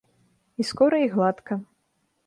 І скора і гладка.